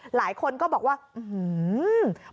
หลายคนก็บอกว่าอื้อหือ